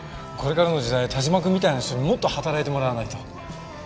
これからの時代但馬くんみたいな人にもっと働いてもらわないと。